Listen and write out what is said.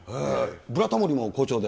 ブラタモリも好調で。